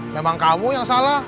memang kamu yang salah